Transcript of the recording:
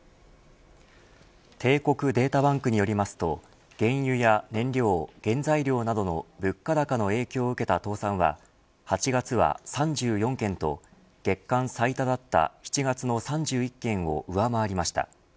帝国データバンクによりますと原油や燃料、原材料などの物価高の影響を受けた倒産は８月は３４件と月間最多だった７月の３１件を上回りました。